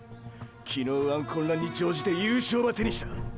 昨日あん混乱に乗じて優勝ば手にした。